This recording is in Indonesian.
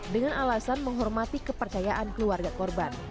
dengan alasan menghormati kepercayaan keluarga korban